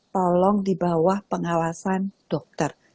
tolong di bawah pengawasan dokter